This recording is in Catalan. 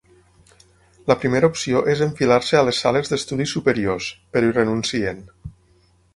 La primera opció és enfilar-se a les sales d'estudi superiors, però hi renuncien.